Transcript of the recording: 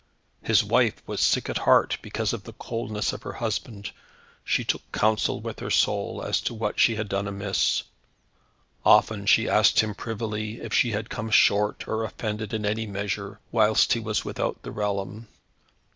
His wife was sick at heart, because of the coldness of her husband. She took counsel with her soul, as to what she had done amiss. Often she asked him privily, if she had come short or offended in any measure, whilst he was without the realm.